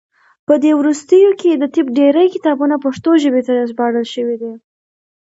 په دې وروستیو کې د طب ډیری کتابونه پښتو ژبې ته ژباړل شوي دي.